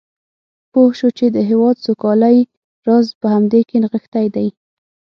پوه شو چې د هېواد سوکالۍ راز په همدې کې نغښتی دی.